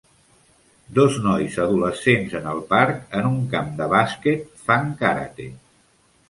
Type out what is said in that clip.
Dos nois adolescents en el parc en un camp de bàsquet fan karate.